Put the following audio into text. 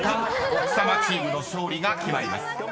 奥様チームの勝利が決まります］